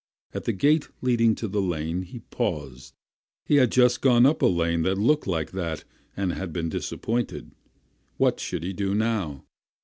At the gate leading into the lane he paused. He had just gone up a lane that looked like that and had been disappointed. What should he do now?